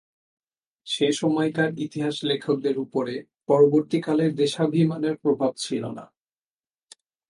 সে-সময়কার ইতিহাসলেখকদের উপরে পরবর্তী- কালের দেশাভিমানের প্রভাব ছিল না।